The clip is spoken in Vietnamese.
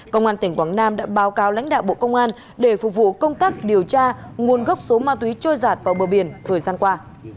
công an tỉnh quảng nam đã báo cáo lãnh đạo bộ công an để phục vụ công tác điều tra nguồn gốc số ma túy trôi giạt vào bờ biển thời gian qua